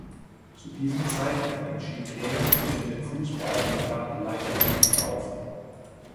Zu diesem Zeitpunkt entschied Clemens sich für den Fußball und gab die Leichtathletik auf.